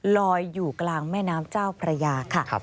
ลอยอยู่กลางแม่น้ำเจ้าพระยาค่ะ